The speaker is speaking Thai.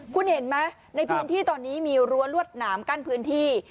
คุณเห็นไหมในพื้นที่ตอนนี้มีรั้วลวดหนามกั้นพื้นที่